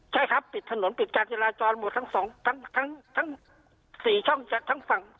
ใช่ครับปิดถนนปิดกาทเยลาจรหมดทั้ง๔ช่อง